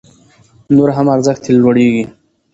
نور هم ارزښت يې لوړيږي